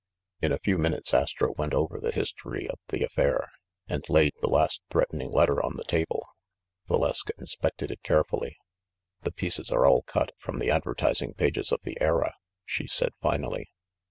In a few minutes Astro went over the history of the affair, and laid the last threatening letter on the table. Valeska inspected it carefully. "The pieces are all cut from the advertising pages of The Era," she said finally.